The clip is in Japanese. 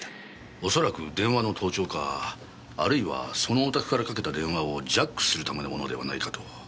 おそらく電話の盗聴かあるいはそのお宅からかけた電話をジャックするためのものではないかと。